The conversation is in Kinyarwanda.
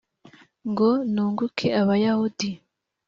ngo nunguke abayahudi